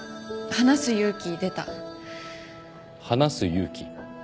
話す勇気？